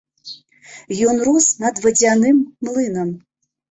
Ён рос над вадзяным млынам.